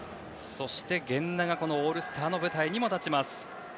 そして、源田がオールスターの舞台にも立ちます。